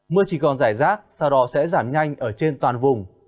mưa chỉ còn giải rác sau đó sẽ giảm nhanh ở trên toàn vùng